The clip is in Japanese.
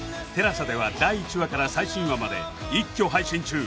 ＴＥＬＡＳＡ では第１話から最新話まで一挙配信中